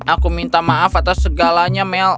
aku minta maaf atas segalanya mel